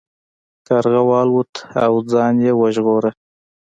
کارغه والوت او ځان یې وژغوره.